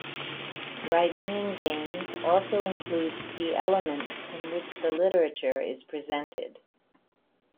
Writing in games also includes the elements in which the literature is presented.